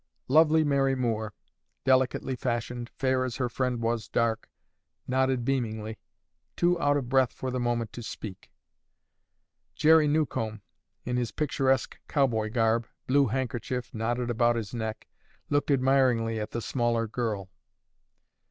Lovely Mary Moore, delicately fashioned, fair as her friend was dark, nodded beamingly, too out of breath for the moment to speak. Jerry Newcomb in his picturesque cowboy garb, blue handkerchief knotted about his neck, looked admiringly at the smaller girl.